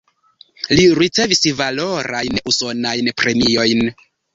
Li ricevis valorajn usonajn premiojn.